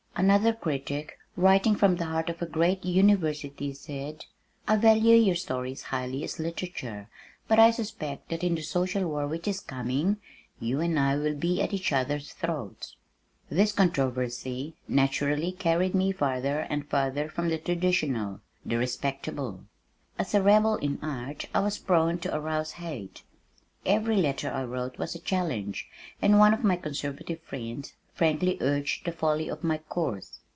Another critic writing from the heart of a great university said, "I value your stories highly as literature, but I suspect that in the social war which is coming you and I will be at each other's throats." This controversy naturally carried me farther and farther from the traditional, the respectable. As a rebel in art I was prone to arouse hate. Every letter I wrote was a challenge, and one of my conservative friends frankly urged the folly of my course.